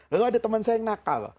lalu ada teman saya yang nakal